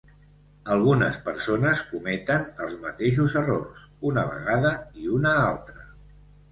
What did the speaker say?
Algunes persones cometen els mateixos errors una vegada i una altra.